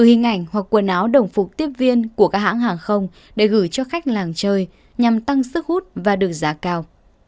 hình ảnh hoặc quần áo đồng phục tiếp viên của các hãng hàng không để gửi cho khách làng chơi nhằm tăng sức hút và được giá cao